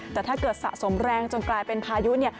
แต่ถ้าเกิดสะสมแรงจนกลายเป็นพายุเนี่ย